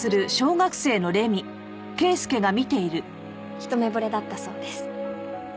一目惚れだったそうです。